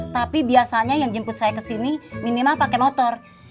tapi biasanya yang jemput saya ke sini minimal pakai motor